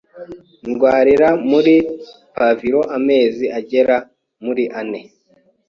ndwarira muri pavillon amezi agera muri ane